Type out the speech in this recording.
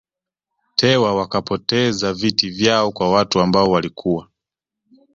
Tewa wakapoteza viti vyao kwa watu ambao walikuwa